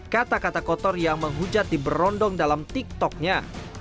kata kata kotor yang menghujat di berondong dalam tiktoknya